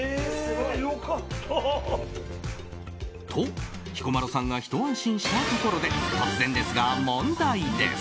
と、彦摩呂さんがひと安心したところで突然ですが問題です。